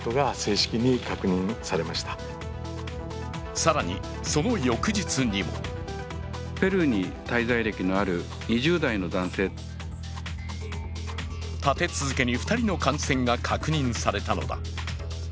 更に、その翌日にも立て続けに２人の感染が確認されたのだ。